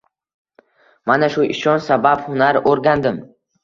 Mana shu ishonch sabab hunar oʻrgandim.